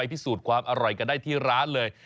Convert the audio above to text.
พิสูจน์ความอร่อยกันได้ที่ร้านเลย